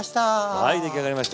はい出来上がりました。